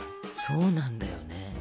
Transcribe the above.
そうなんだよね。